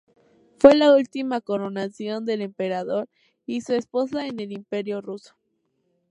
Fue la última coronación del emperador y su esposa en el imperio ruso.